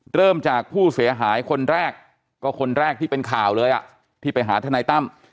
เริ่มจากผู้เสียหายคนแรกก็คนแรกที่เป็นข่าวเลยอ่ะที่ไปหาทนายตั้ม